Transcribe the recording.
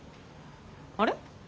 あれ？